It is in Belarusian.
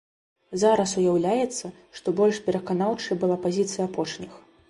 Зараз уяўляецца, што больш пераканаўчай была пазіцыя апошніх.